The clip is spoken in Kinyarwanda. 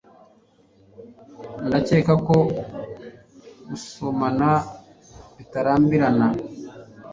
Ndakeka ko gusomana bitarambirana.